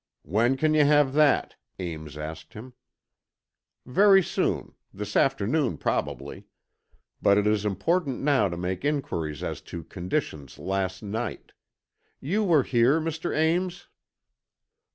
"When can you have that?" Ames asked him. "Very soon. This afternoon, probably. But it is important now to make inquiries as to conditions last night. You were here, Mr. Ames?"